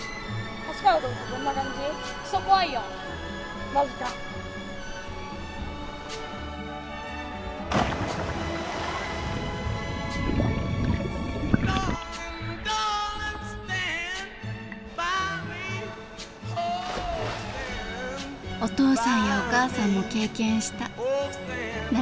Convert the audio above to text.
お父さんやお母さんも経験した夏の大冒険だ。